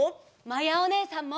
まやおねえさんも。